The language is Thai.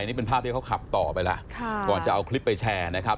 นี่เป็นภาพที่เขาขับต่อไปแล้วก่อนจะเอาคลิปไปแชร์นะครับ